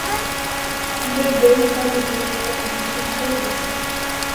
Um bebê está dormindo com um bicho de pelúcia.